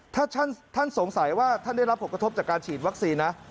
ถ้าท่านสงสัยว่าท่านได้รับผลกระทบจากการฉีดวัคซีนนะ